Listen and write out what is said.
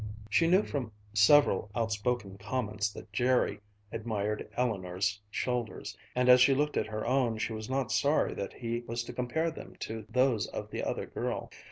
She knew from several outspoken comments that Jerry admired Eleanor's shoulders, and as she looked at her own, she was not sorry that he was to compare them to those of the other girl.